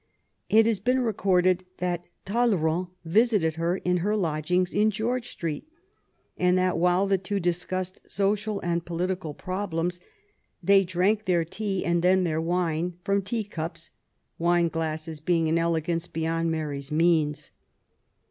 It has been recorded that Talleyrand visited her in her lodgings in George Street^ and that while the two dis cussed social and political problems^ they drank their tea and then their wine from tea cups, wine glasses being an elegance beyond Mary*s means.